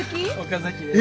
岡崎です。